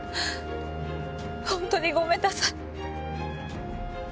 本当にごめんなさい。